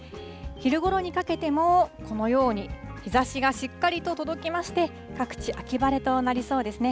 昼ごろにかけてもこのように日ざしがしっかりと届きまして、各地、秋晴れとなりそうですね。